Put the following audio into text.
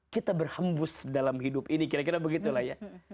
kita berhembus dalam hidup ini kira kira begitulah ya